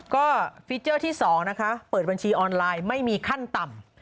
ก็ฟีเจอร์ที่๒นะคะเปิดบัญชีออนไลน์ไม่มีขั้นต่ำ